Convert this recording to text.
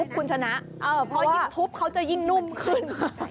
คุณชนะพอยิ่งทุบเขาจะยิ่งนุ่มขึ้น